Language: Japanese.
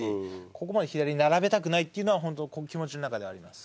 ここまで左並べたくないっていうのが本当気持ちの中ではあります。